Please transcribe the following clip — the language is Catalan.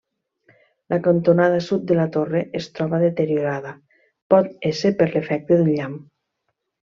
La cantonada sud de la torre es troba deteriorada, pot ésser per l'efecte d'un llamp.